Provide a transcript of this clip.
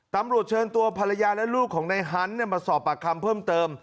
ตำรวจเชิญตัวภรรยาและลูกของในฮันต์มาสอบปากคำเพิ่มเติม